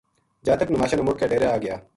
جاتک نماشاں نا مڑ کے ڈیرے آ گیا